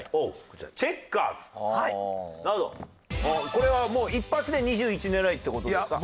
これはもう１発で２１狙いって事ですか？